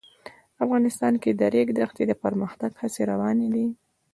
افغانستان کې د د ریګ دښتې د پرمختګ هڅې روانې دي.